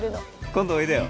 今度おいでよ。